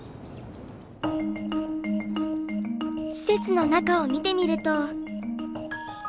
施設の中を見てみると。